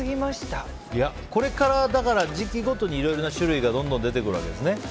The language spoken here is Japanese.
これから、時期ごとにいろいろな種類がどんどん出てくるわけですね。